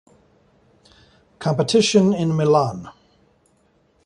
Competition in Milan.